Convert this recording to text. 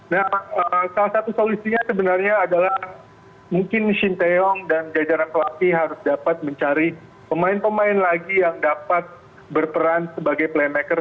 nah salah satu solusinya sebenarnya adalah mungkin shin taeyong dan jajaran pelatih harus dapat mencari pemain pemain lagi yang dapat berperan sebagai playmaker